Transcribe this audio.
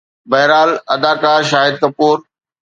بهرحال، اداڪار شاهد ڪپور